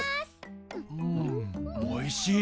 うんおいしい！